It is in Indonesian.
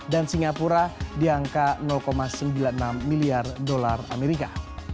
dan singapura di angka sembilan puluh enam miliar dolar amerika